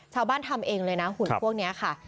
ชาวบ้านทำเองเลยนะหุ่นพวกนี้ค่ะ